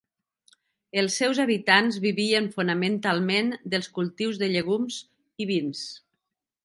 Els seus habitants vivien fonamentalment dels cultius de llegums i vins.